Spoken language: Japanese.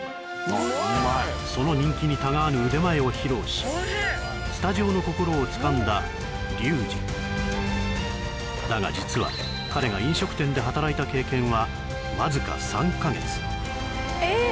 その人気に違わぬ腕前を披露しスタジオの心をつかんだリュウジだが実は彼が飲食店で働いた経験はわずか３か月えっ？